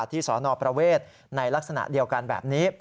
สนประเวทในลักษณะเดียวกันแบบนี้